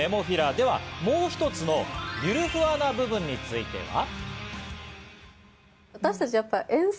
ではもう一つのゆるふわの部分については。